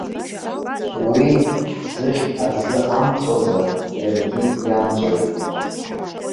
Уи, ҳӡыхь аӡы амҵәозар, иаргьы иамҵәоит.